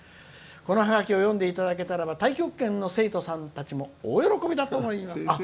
このハガキを読んでいただけたらば太極拳の生徒さんたちも大喜びだと思います」。